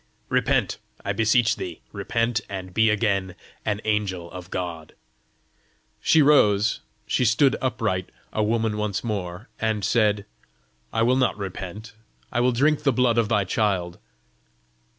Repent, I beseech thee; repent, and be again an angel of God!" She rose, she stood upright, a woman once more, and said, "I will not repent. I will drink the blood of thy child."